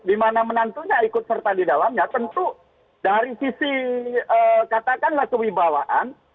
dimana menantunya ikut serta di dalamnya tentu dari sisi katakanlah kewibawaan